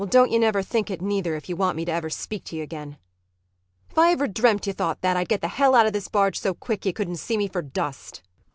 ] Well, don't you never think it neither if you want me ever to speak to you again. [Angrily again.] If I ever dreamt you thought that, I'd get the hell out of this barge so quick you couldn't see me for dust.